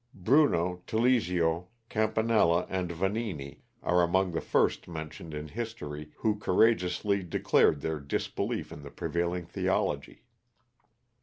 Bruno, Telesio, Campanella and Vanini are among the first mentioned in history who courageously declared their disbelief in the prevailing theology.